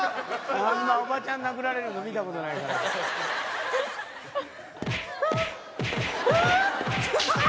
「あんなおばちゃん殴られるの見た事ないから」ああああ！